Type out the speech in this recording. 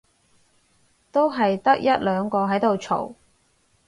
都係得一兩個喺度嘈